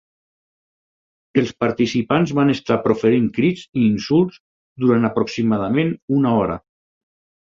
Els participants van estar proferint crits i insults durant aproximadament una hora.